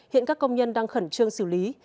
hiện các công nhân đang khẩn trương xử lý